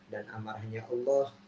dan amarahnya allah